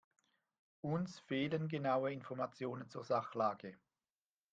Uns fehlen genaue Informationen zur Sachlage.